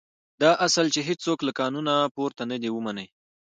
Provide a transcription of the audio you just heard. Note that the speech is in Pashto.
دا اصل چې هېڅوک له قانونه پورته نه دی ومني.